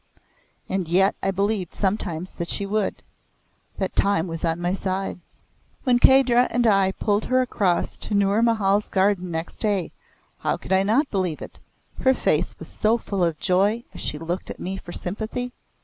And yet I believed sometimes that she would that time was on my side. When Kahdra and I pulled her across to Nour Mahal's garden next day, how could I not believe it her face was so full of joy as she looked at me for sympathy?